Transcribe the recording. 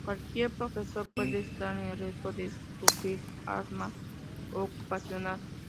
Cualquier profesión puede estar en riesgo de sufrir asma ocupacional.